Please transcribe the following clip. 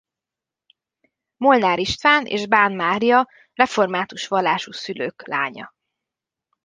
Molnár István és Bán Mária református vallású szülők lánya.